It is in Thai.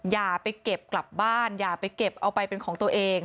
อย่าไปเก็บกลับบ้านอย่าไปเก็บเอาไปเป็นของตัวเอง